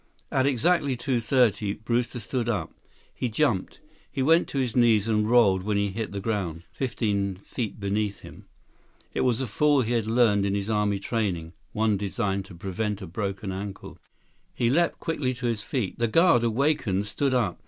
At exactly two thirty, Brewster stood up. He jumped. He went to his knees and rolled when he hit the ground, fifteen feet beneath him. It was a fall he had learned in his army training, one designed to prevent a broken ankle. 157 He leaped quickly to his feet. The guard, awakened, stood up.